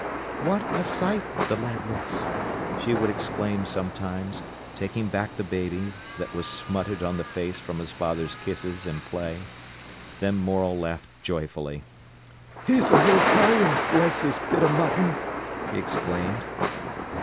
"What a sight the lad looks!" she would exclaim sometimes, taking back the baby, that was smutted on the face from his father's kisses and play. Then Morel laughed joyfully. "He's a little collier, bless his bit o' mutton!" he exclaimed.